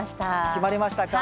決まりましたか？